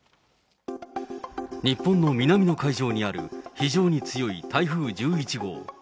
日本の南の海上にある非常に強い台風１１号。